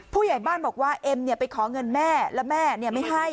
ผู้ใหญ่บ้านบอกว่าเอ็มไปขอเงินแม่แล้วแม่ไม่ให้